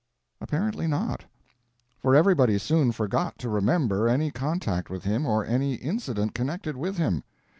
_ Apparently not. For everybody soon forgot to remember any contact with him or any incident connected with him.